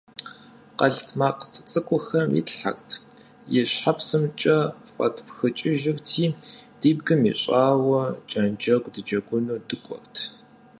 Къэлтмакъ цӀыкӀухэм итлъхьэрт, и щхьэпсымкӀэ фӀэтпхыкӀыжырти, ди бгым ищӏауэ кӀэнджэгу дыджэгуну дыкӀуэрт.